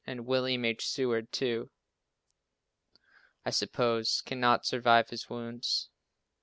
And William H. Seward, too, I suppose cannot survive his wounds.